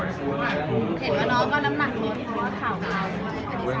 เห้ยเหรอทำไมผมขึ้นอย่างเดียว